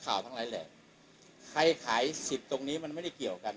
ขอขอขอขอขอขอขอขอขอขอขอขอขอขอขอขอขอขอขอ